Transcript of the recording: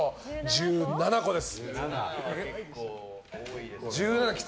１７個です。